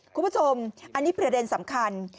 คุณผู้ชมอันนี้ประเด็นสำคัญ